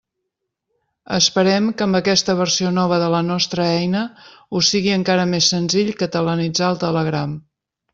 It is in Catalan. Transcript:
Esperem que amb aquesta versió nova de la nostra eina us sigui encara més senzill catalanitzar el Telegram.